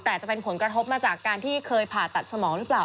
แต่จะเป็นผลกระทบมาจากการที่เคยผ่าตัดสมองหรือเปล่า